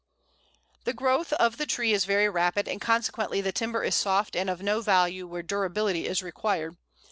] The growth of the tree is very rapid, and consequently the timber is soft and of no value where durability is required.